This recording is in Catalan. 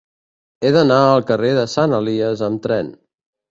He d'anar al carrer de Sant Elies amb tren.